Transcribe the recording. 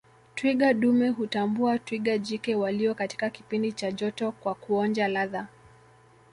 Twiga dume hutambua twiga jike walio katika kipindi cha joto kwa kuonja ladha